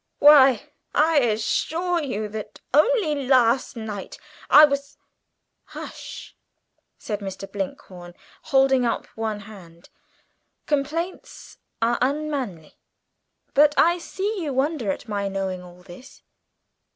Why, I assure you, that only last night I was " "Hush," said Mr. Blinkhorn, holding up one hand, "complaints are unmanly. But I see you wonder at my knowing all this?"